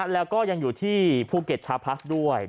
แล้วก็ยังอยู่ที่ภูเก็ตชาพลัสด้วย